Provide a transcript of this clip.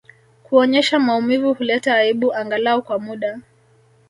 Kuonyesha maumivu huleta aibu angalau kwa muda